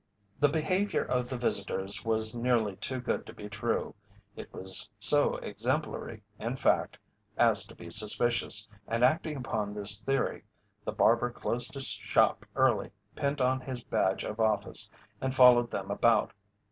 The behaviour of the visitors was nearly too good to be true it was so exemplary, in fact, as to be suspicious, and acting upon this theory, the barber closed his shop early, pinned on his badge of office, and followed them about.